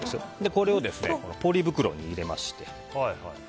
これをポリ袋に入れまして。